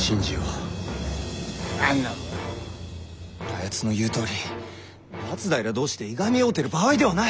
あやつの言うとおり松平同士でいがみ合うてる場合ではない。